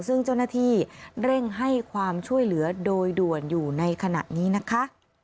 ซึ่งเจ้าหน้าที่เร่งให้ความช่วยเหลือโดยด่วนอยู่ในขณะนี้นะคะ